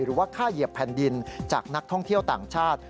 หรือว่าค่าเหยียบแผ่นดินจากนักท่องเที่ยวต่างชาติ